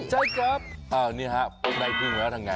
ใช่ครับอ้าวนี่ฮะผมได้เพื่องแล้วทำไง